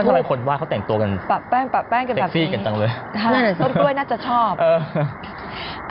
ไม่ทำไมคนว่าเขาแต่งตัวกันปับแป้งปับแป้งกันแบบนี้แป็กซี่กันจังเลยใช่ต้นกล้วยน่าจะชอบเออ